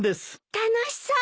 楽しそう。